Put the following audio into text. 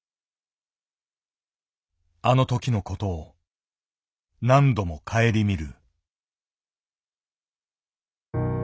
あの時のことを何度もかえりみる。